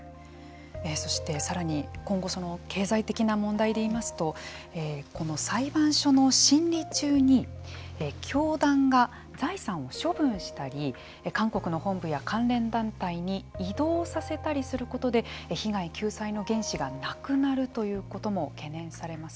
そしてさらに今後、経済的な問題でいいますと裁判所の審理中に教団が財産を処分したり韓国の本部や関連団体に移動させたりすることで被害救済の原資がなくなるということも懸念されます。